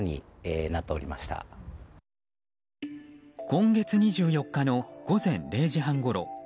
今月２４日の午前０時半ごろ。